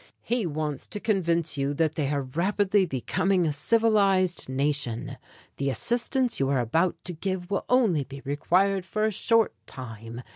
He wants to convince you that they are rapidly becoming a civilized nation. The assistance you are about to give will only be required for a short time.